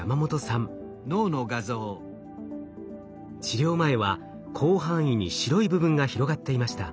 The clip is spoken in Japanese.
治療前は広範囲に白い部分が広がっていました。